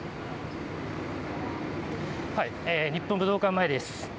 日本武道館前です。